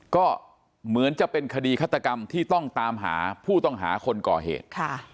ก็เหมือนจะเป็นคดีฆาตกรรมที่ต้องตามหาผู้ต้องหาคนก่อเหตุ